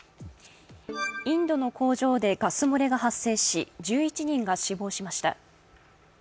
インドの工場でガス漏れが発生し１１人が死亡しました。